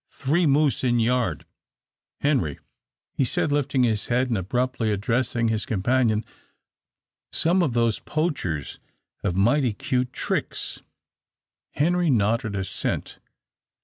3 moose in yard Henry," he said, lifting his head and abruptly addressing his companion, "some of those poachers have mighty cute tricks." Henry nodded assent.